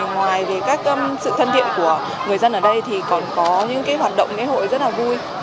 ngoài về các sự thân thiện của người dân ở đây thì còn có những hoạt động lễ hội rất là vui